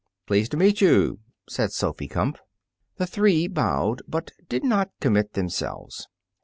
"Pleased to meet you," said Sophy Kumpf. The three bowed, but did not commit themselves.